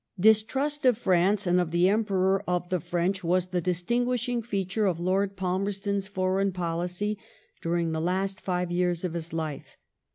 iDiSTRUST of France and of the Emperor of the French was the distinguishing feature of Lord Palmerston's foreign policy during the last five years of his life.